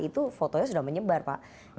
itu fotonya sudah menyebar pak